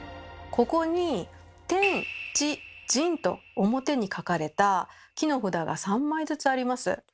ここに「天」「地」「人」と表に書かれた木の札が３枚ずつあります。